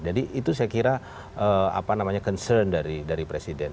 jadi itu saya kira concern dari presiden